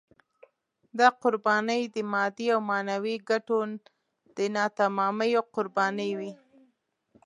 دا قربانۍ د مادي او معنوي ګټو د ناتمامیو قربانۍ وې.